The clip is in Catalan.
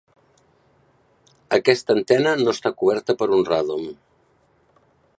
Aquesta antena no està coberta per un radom.